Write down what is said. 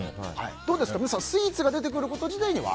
どうですか、皆さんスイーツが出てくること自体は。